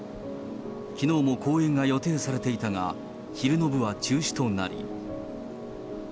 きのうも公演が予定されていたが、昼の部は中止となり。